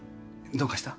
どうかした？